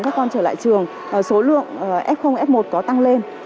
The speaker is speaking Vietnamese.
lớp học này có năm mươi học sinh